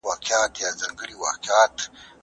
زه اوږده وخت مېوې وچوم وم!